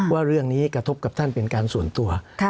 ว่าเรื่องนี้กระทบกับท่านเป็นการส่วนตัว